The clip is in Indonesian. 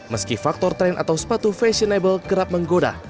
meski faktor tren atau sepatu fashionable kerap menggoda